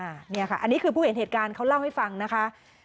อันนี้ค่ะอันนี้คือผู้เห็นเหตุการณ์เขาเล่าให้ฟังนะคะ